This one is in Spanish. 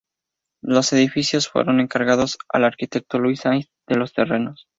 Los edificios fueron encargados al arquitecto Luis Sainz de los Terreros.